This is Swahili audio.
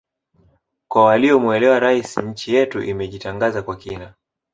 Kwa waliomuelewa Rais nchi yetu imejitangaza kwa kina